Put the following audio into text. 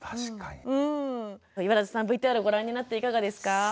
岩立さんＶＴＲをご覧になっていかがですか？